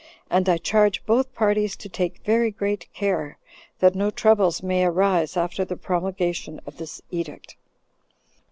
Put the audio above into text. And I charge both parties to take very great care that no troubles may arise after the promulgation of this edict."